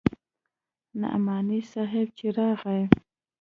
نعماني صاحب چې راغى.